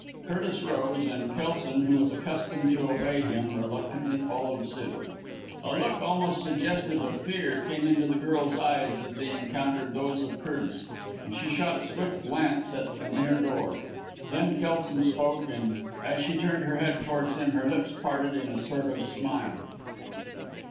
Curtis rose, and Kelson, who was accustomed to obey him, reluctantly followed suit. A look almost suggestive of fear came into the girl's eyes as they encountered those of Curtis, and she shot a swift glance at an inner door. Then Kelson spoke, and as she turned her head towards him, her lips parted in a sort of smile.